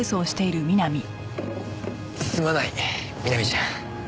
すまない美波ちゃん。